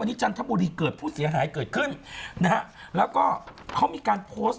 วันนี้จันทบุรีเกิดผู้เสียหายเกิดขึ้นนะฮะแล้วก็เขามีการโพสต์